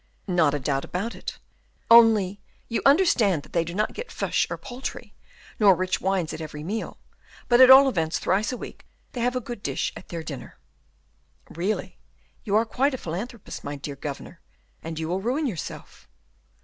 "Not a doubt about it; only you understand that they do not get fish or poultry, nor rich wines at every meal; but at all events thrice a week they have a good dish at their dinner." "Really, you are quite a philanthropist, my dear governor, and you will ruin yourself."